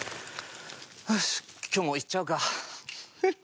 よし今日もいっちゃうかははっ。